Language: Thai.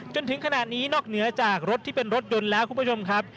จนถึงขนาดนี้นอกเหนือจากรถที่เป็นรถยนต์แล้วคุณผู้ชมครับ